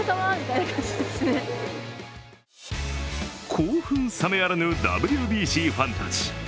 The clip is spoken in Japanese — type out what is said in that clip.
興奮冷めやらぬＷＢＣファンたち。